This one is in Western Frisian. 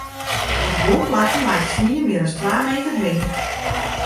Op guon plakken leit de snie mear as twa meter heech.